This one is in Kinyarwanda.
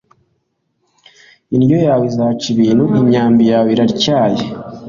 Indyo yawe izaca ibintu imyambi yawe iratyaye